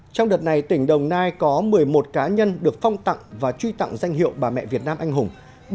trong đợt này tỉnh đồng nai có một mươi một cá nhân được phong tặng và truy tặng danh hiệu bà mẹ việt nam anh hùng